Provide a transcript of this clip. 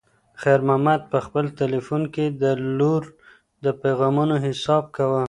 خیر محمد په خپل تلیفون کې د لور د پیغامونو حساب کاوه.